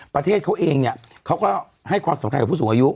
ประเทศเขาเองเนี่ยเขาก็ให้ความสำคัญกับผู้สูงอายุ